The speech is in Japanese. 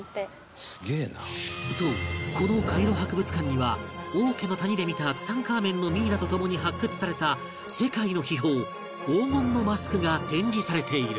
そうこのカイロ博物館には王家の谷で見たツタンカーメンのミイラと共に発掘された世界の秘宝黄金のマスクが展示されている